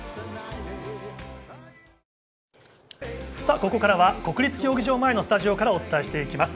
ここからは国立競技場前のスタジオからお伝えしていきます。